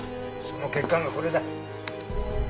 その結果がこれだ。